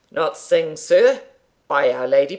"Not sing, sir? by our Lady!